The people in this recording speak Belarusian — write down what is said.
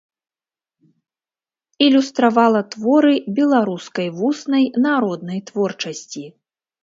Ілюстравала творы беларускай вуснай народнай творчасці.